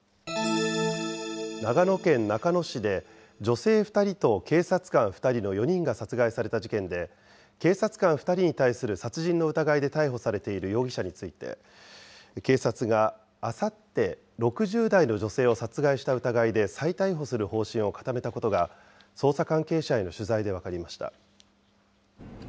長野県中野市で女性２人と警察官２人の４人が殺害された事件で、警察官２人に対する殺人の疑いで逮捕されている容疑者について、警察があさって、６０代の女性を殺害した疑いで再逮捕する方針を固めたことが、捜査関係者への取材で分かりました。